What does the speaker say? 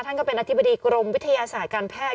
ก็เป็นอธิบดีกรมวิทยาศาสตร์การแพทย์